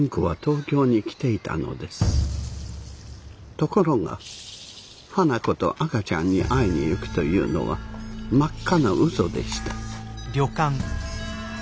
ところが花子と赤ちゃんに会いに行くというのは真っ赤な嘘でした。